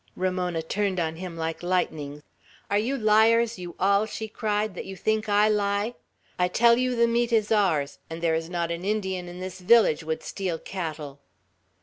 Ramona turned on him like lightning. "Are you liars, you all," she cried, "that you think I lie? I tell you the meat is ours; and there is not an Indian in this village would steal cattle!"